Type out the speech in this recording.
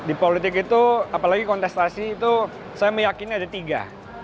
di politik itu apalagi kontestasi itu saya meyakini ada tiga